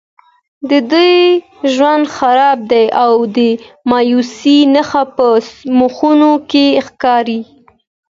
د دوی ژوند خراب دی او د مایوسیو نښې په مخونو کې ښکاري.